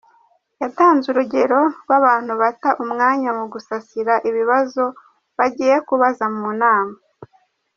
Yatanze urugero rw’abantu bata umwanya mu gusasira ibibazo bagiye kubaza mu nama.